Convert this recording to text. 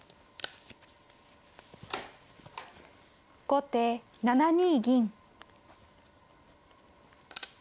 後手７二銀。